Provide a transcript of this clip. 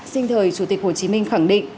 sinh thời chủ tịch hồ chí minh khẳng định